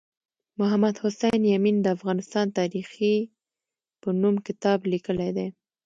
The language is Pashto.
محمد حسین یمین د افغانستان تاریخي په نوم کتاب لیکلی دی